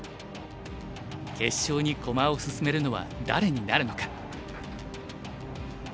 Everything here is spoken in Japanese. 決勝に駒を進めるのは誰になるのか。